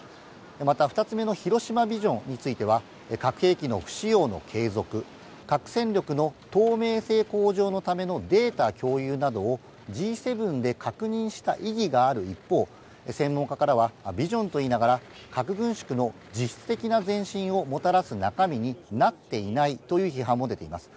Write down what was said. また、２つ目の広島ビジョンについては、核兵器の不使用の継続、核戦力の透明性向上のためのデータ共有などを、Ｇ７で確認した意義がある一方、専門家からは、ビジョンと言いながら、核軍縮の実質的な前進をもたらす中身になっていないという批判も出ています。